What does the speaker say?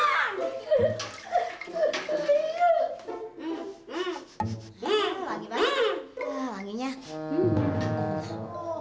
memang wangi panidenya cemerlang